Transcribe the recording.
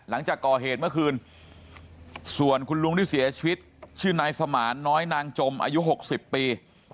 หลังจากก่อเหตุเมื่อคืนส่วนคุณลุงที่เสียชีวิตชื่อนายสมานน้อยนางจมอายุ๖๐ปี